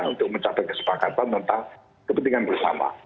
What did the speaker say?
untuk mencapai kesepakatan tentang kepentingan bersama